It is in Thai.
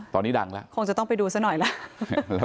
ตอนนี้ดังแล้วคงจะต้องไปดูซะหน่อยแล้ว